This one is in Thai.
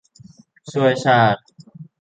ช่วยชาติ !